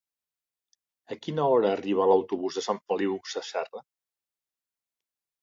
A quina hora arriba l'autobús de Sant Feliu Sasserra?